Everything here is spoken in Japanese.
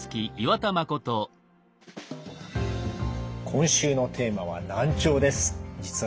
今週のテーマは「難聴」です。